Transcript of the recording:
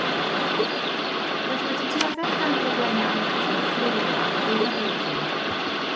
Roedd wedi dioddef gan broblemau anadlu a threulio am fwy na blwyddyn.